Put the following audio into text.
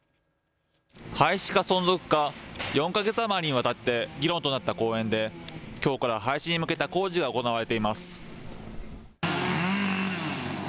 廃止か存続か、４か月余りにわたって議論となった公園できょうから廃止に向けた工事が行われています。